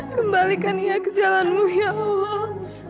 kembalikan ia ke jalanmu ya allah